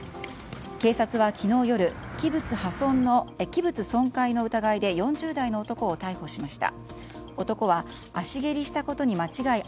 警察は昨日夜、器物損壊の疑いで４０代の男を逮捕しました。